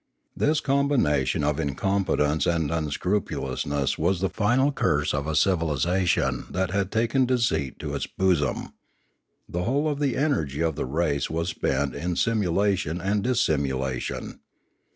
This combination of in competence and unscrupulousness was the final curse of a civilisation that had taken deceit to its bosom. The whole of the energy of the race was spent in simu lation and dissimulation.